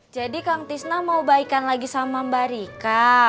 kang tisna mau baikan lagi sama mbak rika